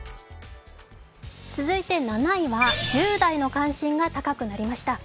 続いて７位は１０台の関心が高くなりました。